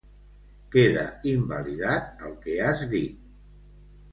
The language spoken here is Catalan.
Queda invalidat el que has dit.